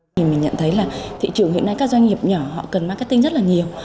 thì mình nhận thấy là thị trường hiện nay các doanh nghiệp nhỏ họ cần marketing rất là nhiều